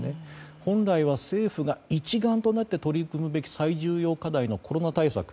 本来は政府が一丸となって取り組むべき最重要課題のコロナ対策